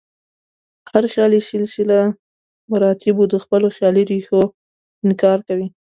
هر خیالي سلسله مراتبو د خپلو خیالي ریښو انکار کوي.